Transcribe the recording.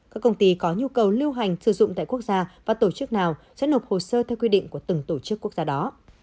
các công ty có nhu cầu lưu hành sử dụng tại quốc gia và tổ chức nào sẽ nộp hồ sơ theo quy định của từng tổ chức quốc gia đó